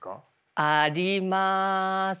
ありますね。